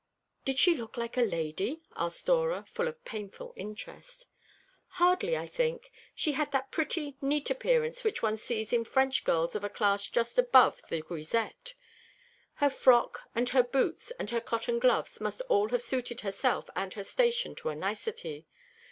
"Did she look like a lady?" asked Dora, full of painful interest. "Hardly, I think. She had that pretty, neat appearance which one sees in French girls of a class just a little above the grisette. Her frock, and her boots, and her cotton gloves must all have suited herself and her station to a nicety.